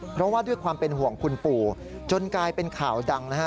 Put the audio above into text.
เพราะว่าด้วยความเป็นห่วงคุณปู่จนกลายเป็นข่าวดังนะฮะ